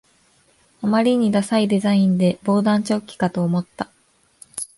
あまりにダサいデザインで防弾チョッキかと思った